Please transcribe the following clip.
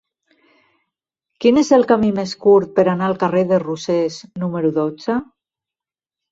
Quin és el camí més curt per anar al carrer de Rosés número dotze?